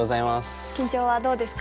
緊張はどうですか？